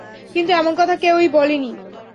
কিন্তু এমন কথা কেউ-ই বলেনি।